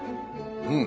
うん。